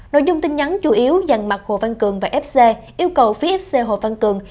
nội dung tin nhắn chủ yếu dành mặt hồ văn cường và fc yêu cầu phía fc hồ văn cường